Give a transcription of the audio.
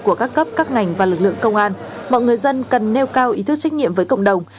của các cấp các ngành và lực lượng công an mọi người dân cần nêu cao ý thức trách nhiệm với cộng đồng